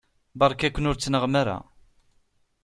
Beṛka-ken ur ttnaɣem ara.